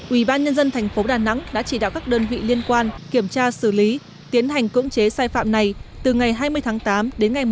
ủy ban nhân dân thành phố đà nẵng đã chỉ đạo các đơn vị liên quan kiểm tra xử lý tiến hành cưỡng chế sai phạm này từ ngày hai mươi tháng tám đến ngày một mươi